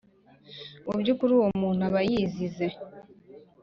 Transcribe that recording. mu by ukuri uwo muntu aba yizize